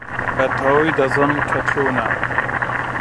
بەتەواوی دەزانم کە چۆنە.